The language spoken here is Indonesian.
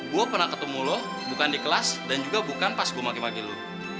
gue pernah ketemu lo bukan di kelas dan juga bukan pas gue maki maki lu